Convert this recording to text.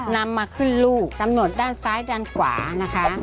นำมาขึ้นลูกกำหนดด้านซ้ายด้านขวานะคะ